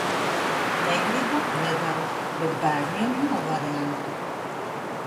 Negribu, nedaru. Bet bērniem nav variantu.